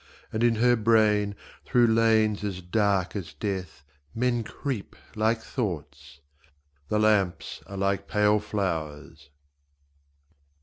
And in her brain, through lanes as dark as death, Men creep like thoughts ... The lamps are like pale flowers.